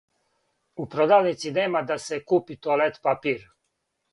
У продавници нема да се купи тоалет папир.